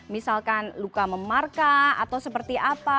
misalkan luka memarka atau seperti apa